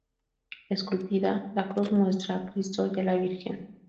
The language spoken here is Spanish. Esculpida, la cruz muestra a Cristo y a la Virgen.